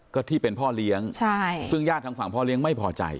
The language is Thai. ก็ที่เป็นพ่อเลี้ยงซึ่งญาติทางฝั่งพ่อเลี้ยงไม่พอใจ